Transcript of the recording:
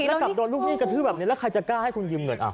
แล้วกลับโดนลูกหนี้กระทืบแบบนี้แล้วใครจะกล้าให้คุณยืมเงิน